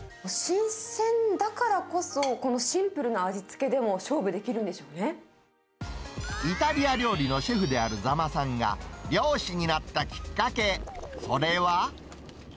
新鮮だからこそ、このシンプルな味付けでも、勝負できるんでしょイタリア料理のシェフである座間さんが、漁師になったきっかけ、それは。